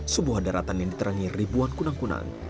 sebuah daratan yang diterangi ribuan kunang kunang